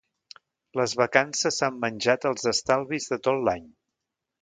Les vacances s'han menjat els estalvis de tot l'any.